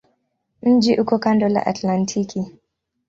Mji uko kando la Atlantiki.